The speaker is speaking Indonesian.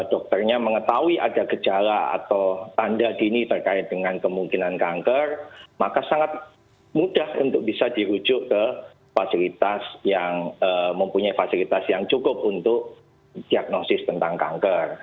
dokternya mengetahui ada gejala atau tanda dini terkait dengan kemungkinan kanker maka sangat mudah untuk bisa dirujuk ke fasilitas yang mempunyai fasilitas yang cukup untuk diagnosis tentang kanker